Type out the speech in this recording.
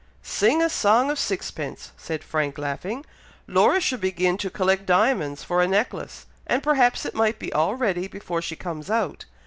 "Sing a song a sixpence!" said Frank, laughing. "Laura should begin to collect diamonds for a necklace, and perhaps it might be all ready before she comes out.